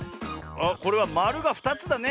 あっこれはまるが２つだね。